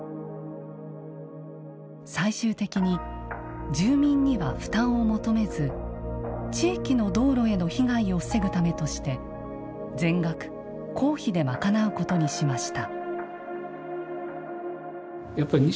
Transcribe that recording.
最終的に住民には負担を求めず地域の道路への被害を防ぐためとして全額、公費で賄うことにしました。